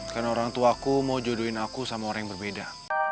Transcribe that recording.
karena orang tuaku mau jodohin aku sama orang yang berbeda